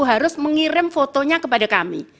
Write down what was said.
harus mengirim fotonya kepada kami